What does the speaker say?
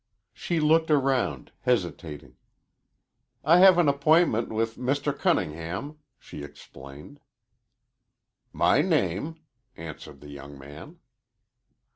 She looked around, hesitating. "I have an appointment with Mr. Cunningham," she explained. "My name," answered the young man.